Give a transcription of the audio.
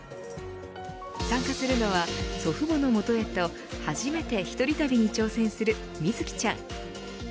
参加するのは祖父母の元へと初めて一人旅に挑戦するみずきちゃん。